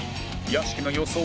屋敷の予想